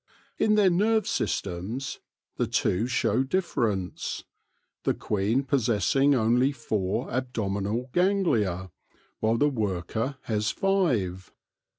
In their nerve systems the two show difference, the queen possessing only four abdominal ganglia, while the worker has five.